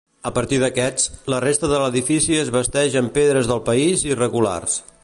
A partir d'aquests, la resta de l'edifici es basteix amb pedres del país irregulars.